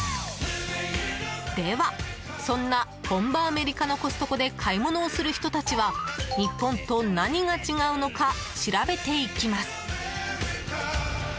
では、そんな本場アメリカのコストコで買い物をする人たちは日本と何が違うのか調べていきます。